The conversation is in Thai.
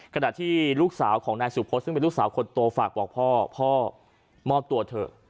ขณะที่ลูกสาวของนายสุพศซึ่งเป็นลูกสาวคนโตฝากบอกพ่อพ่อมอบตัวเถอะ